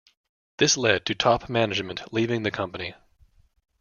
This led to top management leaving the company.